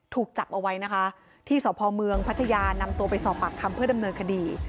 ถูกจับเอาไว้นะคะที่สพเมืองพัทยานำตัวไปสอบปากคำเพื่อดำเนินคดี